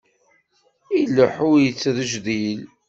Ileḥḥu yettrejdil.